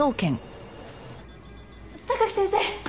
榊先生！